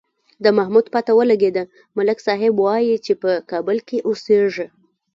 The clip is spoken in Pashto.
د محمود پته ولگېده، ملک صاحب وایي چې په کابل کې اوسېږي.